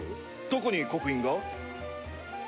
どこに刻印が？